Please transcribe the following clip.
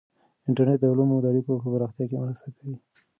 انټرنیټ د علومو د اړیکو په پراختیا کې مرسته کوي.